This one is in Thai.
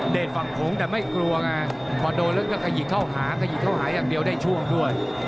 ฝั่งโขงแต่ไม่กลัวไงพอโดนแล้วก็ขยิกเข้าหาขยิกเข้าหาอย่างเดียวได้ช่วงด้วย